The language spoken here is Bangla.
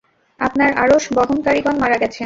আপনার আরশ বহনকারিগণ মারা গেছেন।